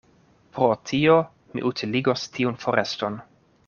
Pro tio, mi utiligos tiun foreston.